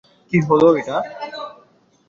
কি হলো এটা!